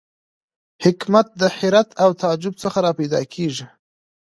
حکمت د حیرت او تعجب څخه را پیدا کېږي.